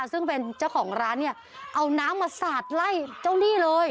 ซึ่งเป็นเจ้าของร้านเนี่ยเอาน้ำมาสาดไล่เจ้าหนี้เลย